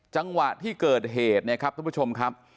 จังหวะที่เกิดเหตุเนี่ยครับทุกผู้ชมครับ